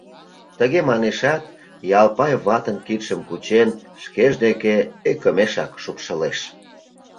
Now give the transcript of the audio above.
Тыге манешат, Ялпай ватын кидшым кучен, шкеж деке ӧкымешак шупшылеш.